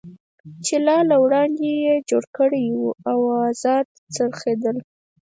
چې لا له وړاندې یې جوړ کړی و، ازاد څرخېدل.